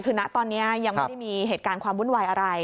คือนะตอนนี้ยังไม่ได้มีเหตุการณ์ความวุ่นวายอะไร